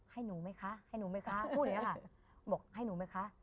ให้หนูไหมคะให้หนูไหมคะพูดอย่างนี้ค่ะบอกให้หนูไหมคะ